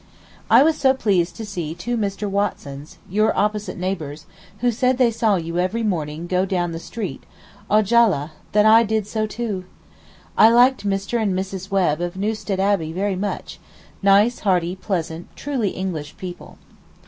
I was so pleased to see two Mr. Watsons—your opposite neighbours—who said they saw you every morning go down the street—ojala! that I did so too! I liked Mr. and Mrs. Webb of Newstead Abbey very much; nice, hearty, pleasant, truly English people.